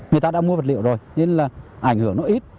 người ta đã mua vật liệu rồi nên là ảnh hưởng nó ít